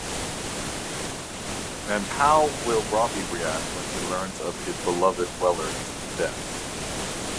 And how will Robbie react when he learns of his beloved Wellard's death?